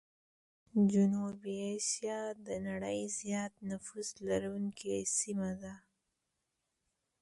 جنوبي آسيا د نړۍ زيات نفوس لرونکي سيمه ده.